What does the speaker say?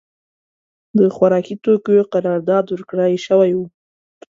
د خوارکي توکیو قرارداد ورکړای شوی و.